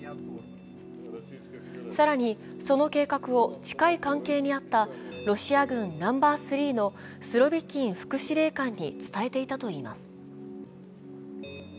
更に、その計画を近い関係にあったロシア軍ナンバー３のスロビキン副司令官に伝えていたといいます。